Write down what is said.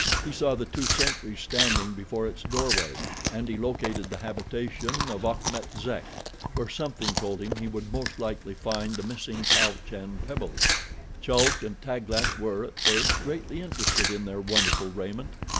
He saw the two sentries standing before its doorway, and he located the habitation of Achmet Zek, where something told him he would most likely find the missing pouch and pebbles. Chulk and Taglat were, at first, greatly interested in their wonderful raiment.